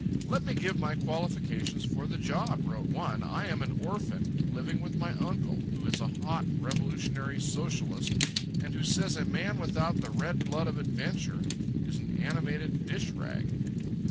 "Let me give my qualifications for the job," wrote one. "I am an orphan living with my uncle, who is a hot revolutionary socialist and who says a man without the red blood of adventure is an animated dish rag."